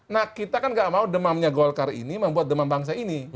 nah kita kan gak mau demamnya golkar ini membuat demam bangsa ini